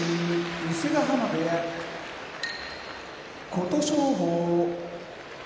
伊勢ヶ濱部屋琴勝峰